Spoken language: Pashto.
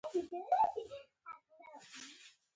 په افغانستان کې د تالابونه تاریخ اوږد دی.